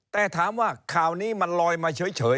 แต่ถามว่าข่าวนี้มันลอยมาเฉย